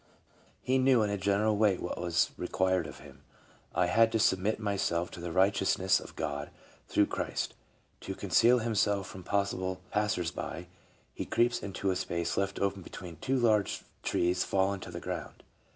He knew in a general way what was required of him. " I had to submit myself to the righteousness of God through Christ." To conceal himself from possible passers by he creeps into a space left open between two large trees fallen to the ground.